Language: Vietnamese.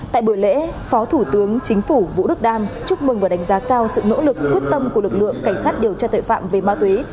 tại buổi lễ phó thủ tướng chính phủ vũ đức đam chúc mừng và đánh giá cao sự nỗ lực quyết tâm của lực lượng cảnh sát điều tra tội phạm về ma túy